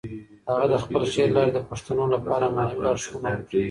هغه د خپل شعر له لارې د پښتنو لپاره معنوي لارښوونه وکړه.